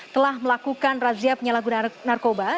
telah melakukan razia penyalahgunaan narkoba